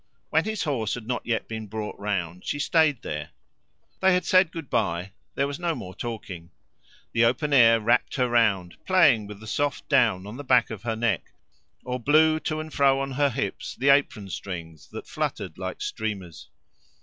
When his horse had not yet been brought round she stayed there. They had said "Good bye"; there was no more talking. The open air wrapped her round, playing with the soft down on the back of her neck, or blew to and fro on her hips the apron strings, that fluttered like streamers.